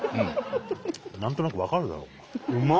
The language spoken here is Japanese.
何となく分かるだろお前。